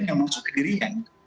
yang masuk ke dirinya